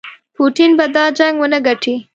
پوټین به دا جنګ ونه ګټي.